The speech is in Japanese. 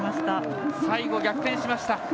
最後、逆転しました。